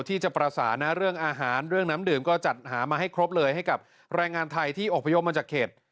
ที่จะประสานนะเรื่องอาหารเรื่องน้ำดื่มก็จัดหามาให้ครบเลยให้กับแรงงานไทยที่อบพยพมาจากเขต